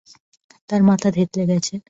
তার মাথা থেঁতলে গেছে।